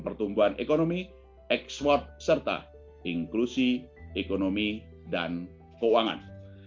pertumbuhan ekonomi ekspor serta inklusi ekonomi dan keuangan